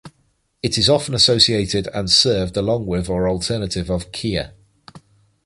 It is often associated and served along with or alternative of Kheer.